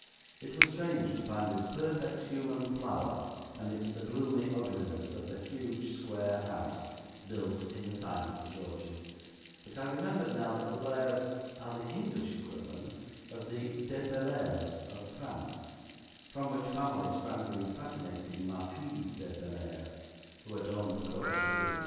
It was strange to find this perfect human flower amidst the gloomy ugliness of a huge square house built in the time of the Georges; but I remembered now that the Blairs are the English equivalent of the de Bellairs of France, from which family sprang the fascinating Marquise de Bellairs, who adorned the Court of Louis XIV.